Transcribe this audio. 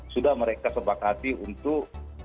sudah mereka sepakati untuk